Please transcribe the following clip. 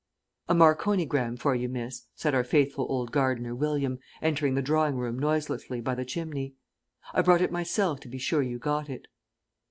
"A marconigram for you, miss," said our faithful old gardener, William, entering the drawing room noiselessly by the chimney. "I brought it myself to be sure you got it."